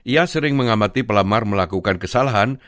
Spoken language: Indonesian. ia sering mengamati pelamar melakukan kesalahan